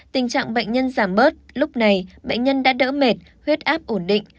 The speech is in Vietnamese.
tình trạng bệnh nhân giảm bớt lúc này bệnh nhân đã đỡ mệt huyết áp ổn định